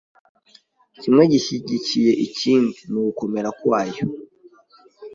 Kimwe gishyigikiye ikindi. Mu gukomera kwayo,